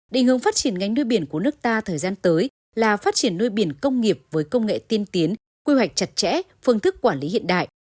định hướng phát triển ngành nuôi biển của nước ta thời gian tới là phát triển nuôi biển công nghiệp với công nghệ tiên tiến quy hoạch chặt chẽ phương thức quản lý hiện đại